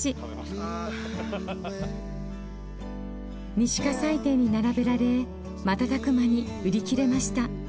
西西店に並べられ瞬く間に売り切れました。